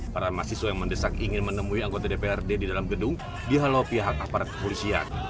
para mahasiswa yang mendesak ingin menemui anggota dprd di dalam gedung dihalau pihak aparat kepolisian